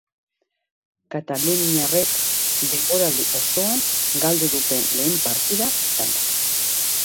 Kataluniarrek denboraldi osoan galdu duten lehen partida izan da.